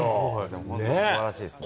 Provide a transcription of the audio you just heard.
本当、すばらしいですね。